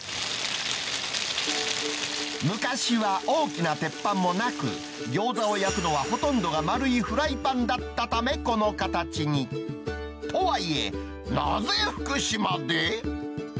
昔は大きな鉄板もなく、餃子を焼くのはほとんどが丸いフライパンだったためこの形に。とはいえ、なぜ福島で？